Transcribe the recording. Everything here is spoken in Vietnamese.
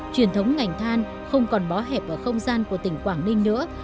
truyền thống ngành than không còn bó hẹp ở không gian của tỉnh quảng ninh nữa